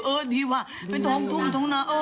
เออดีว่าไปทุ่มทุ่มทุ่มหน้าเออ